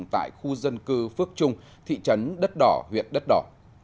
tại khu dân cư phước trung thị trấn đất đỏ huyện đất đỏ